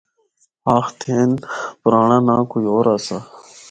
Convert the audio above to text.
آخدے ہن پرانڑا ناں کوئی ہور آسا۔